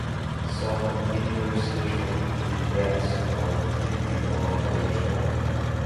Some interstitial vignettes are previewed on "The Late Show".